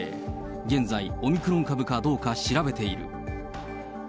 現在、オミクロン株かどうか、調べている。